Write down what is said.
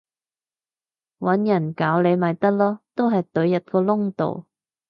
搵人搞你咪得囉，都係隊入個窿度